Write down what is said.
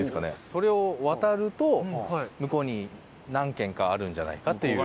それを渡ると向こうに何軒かあるんじゃないかっていう。